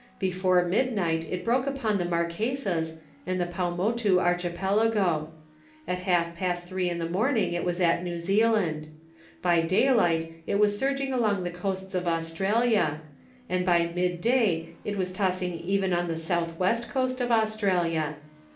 Before midnight it broke upon the Marquesas and the Paumotu archipelago. At half past three in the morning it was at New Zealand. By daylight it was surging along the coasts of Australia, and by mid day it was tossing even on the southwest coast of Australia.